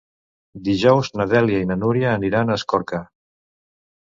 Dijous na Dèlia i na Núria aniran a Escorca.